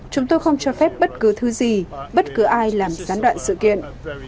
chúng tôi không cho phép bất cứ thứ gì bất cứ ai làm gián đoạn sự kiện